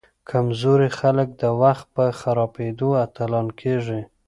کمزوري خلک د وخت په خرابیدو اتلان کیږي.